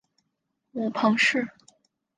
母彭氏。